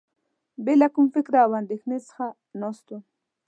بې له کوم فکر او اندېښنې څخه ناست وم.